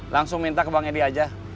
langsung minta ke bang edi aja